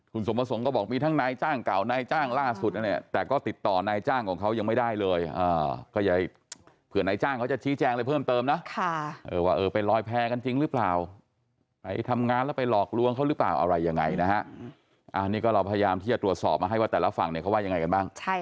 คุณสมสงฆ์ก็บอกว่ามีทั้งนายจ้างเก่านายจ้างล่าสุด